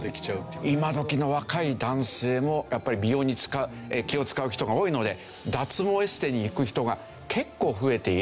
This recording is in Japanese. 今どきの若い男性もやっぱり美容に気を使う人が多いので脱毛エステに行く人が結構増えている。